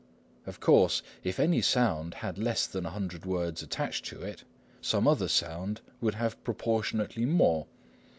Of course, if any sound had less than 100 words attached to it, some other sound would have proportionately more.